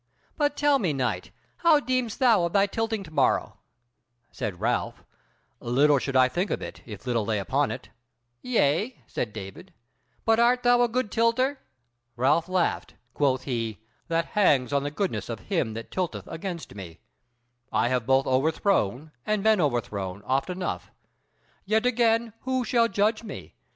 But tell me, knight, how deemest thou of thy tilting to morrow?" Said Ralph: "Little should I think of it, if little lay upon it." "Yea," said David, "but art thou a good tilter?" Ralph laughed: quoth he, "That hangs on the goodness of him that tilteth against me: I have both overthrown, and been overthrown oft enough. Yet again, who shall judge me?